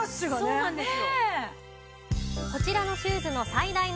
そうなんです。